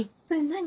何？